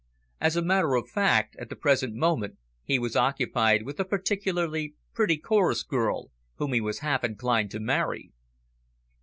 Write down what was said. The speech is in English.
As a matter of fact, at the present moment he was occupied with a particularly pretty chorus girl, whom he was half inclined to marry.